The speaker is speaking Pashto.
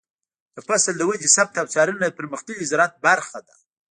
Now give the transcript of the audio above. د فصل د ودې ثبت او څارنه د پرمختللي زراعت برخه ده.